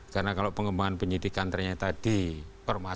karena kalau pengembangan penyelidikan ternyata di permasalahkan